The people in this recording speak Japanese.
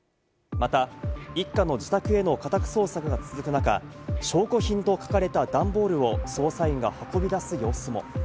また一家の自宅への家宅捜索が続く中、証拠品と書かれたダンボールを捜査員が運び出す様子も。